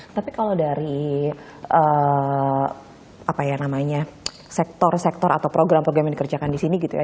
tapi kalau dari apa ya namanya sektor sektor atau program program yang dikerjakan di sini gitu ya